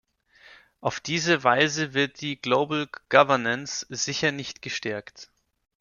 Auf diese Weise wird die "Global Governance" sicher nicht gestärkt!